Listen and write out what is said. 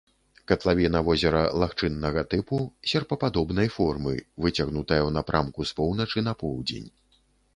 Катлавіна возера лагчыннага тыпу, серпападобнай формы, выцягнутая ў напрамку з поўначы на поўдзень.